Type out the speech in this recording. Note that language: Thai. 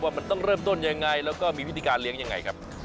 ว่ามันต้องเริ่มต้นยังไงแล้วก็มีวิธีการเลี้ยงยังไงครับ